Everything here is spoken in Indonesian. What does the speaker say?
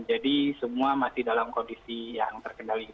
jadi semua masih dalam kondisi yang terkendali